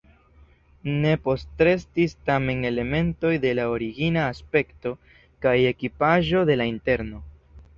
Ne postrestis tamen elementoj de la origina aspekto kaj ekipaĵo de la interno.